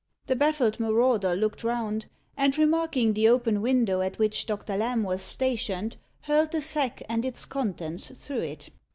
The baffled marauder looked round, and remarking the open window at which Doctor Lamb was stationed, hurled the sack and its contents through it.